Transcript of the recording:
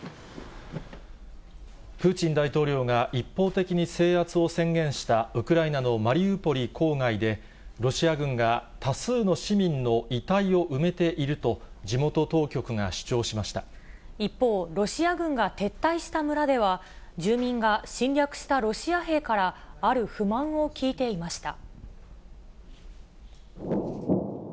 プーチン大統領が一方的に制圧を宣言したウクライナのマリウポリ郊外で、ロシア軍が多数の市民の遺体を埋めていると、地元当局が主張しま一方、ロシア軍が撤退した村では、住民が侵略したロシア兵から、ある不満を聞いていました。